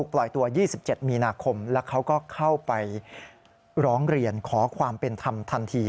ปล่อยตัว๒๗มีนาคมแล้วเขาก็เข้าไปร้องเรียนขอความเป็นธรรมทันที